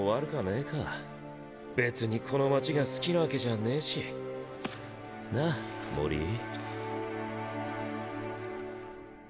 別にこの街が好きなわけじゃねぇし。なぁモリィ。